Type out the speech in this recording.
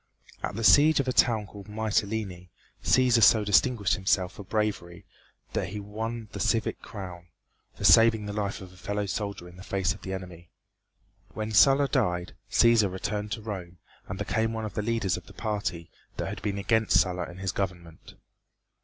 At the siege of a town called Mytelene Cæsar so distinguished himself for bravery that he won the civic crown, for saving the life of a fellow soldier in the face of the enemy. When Sulla died, Cæsar returned to Rome, and became one of the leaders of the party that had been against Sulla and his government.